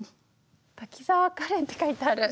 「滝沢カレン」って書いてある。